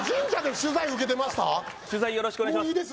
取材よろしくお願いします